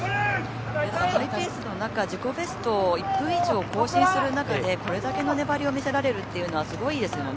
ハイペースの中、自己ベストを１分以上更新する中でこれだけの粘りを見せられるということはすごいですよね。